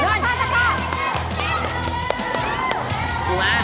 ถือมาเออ